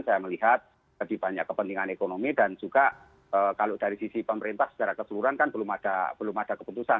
saya melihat lebih banyak kepentingan ekonomi dan juga kalau dari sisi pemerintah secara keseluruhan kan belum ada keputusan